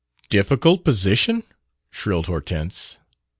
"'Difficult position'?" shrilled Hortense.